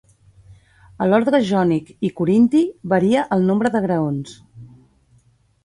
A l'orde jònic i corinti varia el nombre de graons.